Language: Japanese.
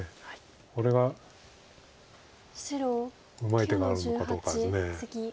これはうまい手があるのかどうかです。